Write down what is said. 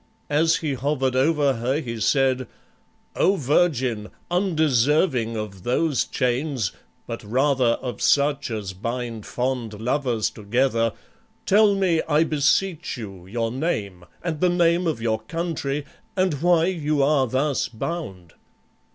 As he hovered over her he said, "O virgin, undeserving of those chains, but rather of such as bind fond lovers together, tell me, I beseech you, your name, and the name of your country, and why you are thus bound."